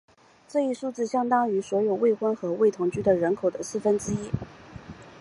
这一数字相当于所有未婚或未同居的人口的四分之一。